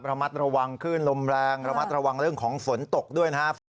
ระมัดระวังขึ้นลมแรงระมัดระวังเรื่องของฝนตกด้วยนะครับ